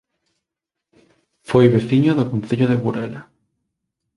Foi veciño do Concello de Burela